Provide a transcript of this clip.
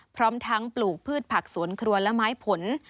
พร้อมทั้งปลูกพืชผักสวนครัวและไม้ผล